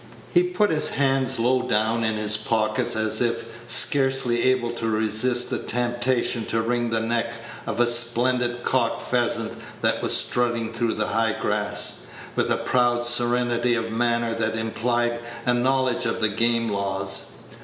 He put his hands low down in his pockets, as if scarcely able to resist the temptation to wring the neck of a splendid cock pheasant that was strutting through the high grass, with a proud serenity of manner that implied a knowledge of the game laws.